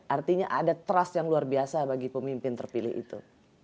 artinya ada trust yang luar biasa bagi pemimpin terpilih itu